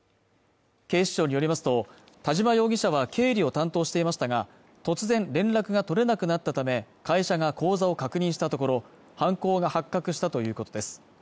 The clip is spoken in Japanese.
警視庁によりますと田嶋容疑者は経理を担当していましたが突然連絡が取れなくなったため会社が口座を確認したところ犯行が発覚したということです